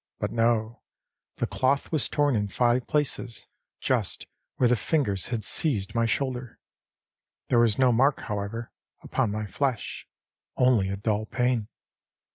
But no, the cloth was torn in five places, just where the fingers had seized my shoulder. There was no mark, however, upon my flesh, only a dull pain.